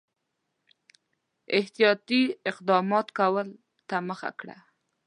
احتیاطي اقداماتو کولو ته مخه کړه.